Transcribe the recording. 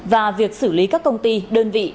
và việc xử lý các công ty đơn vị